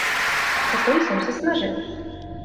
O to jsem se snažil.